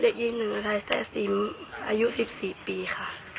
อายุสิบสี่ปีค่ะ